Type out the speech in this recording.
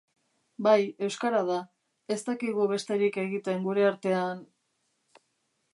Bai, euskara da, ez dakigu besterik egiten gure artean...